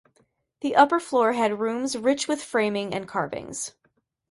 The upper floor had rooms rich with framing and carvings.